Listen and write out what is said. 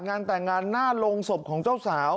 งานแต่งงานหน้าโรงศพของเจ้าสาว